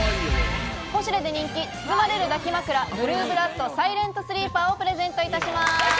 ポシュレで人気「包まれる抱き枕ブルーブラッドサイレントスリーパー」をプレゼントいたします。